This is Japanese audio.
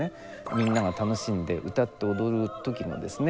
みんなが楽しんで歌って踊る時のですね